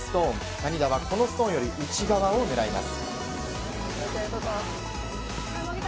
谷田は、このストーンより内側を狙います。